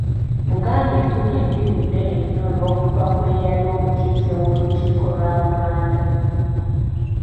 Buganda efunye eddibu ddene nnyo olw’okufa kw'eyali omukiise w’Olukiiko lwa Buganda.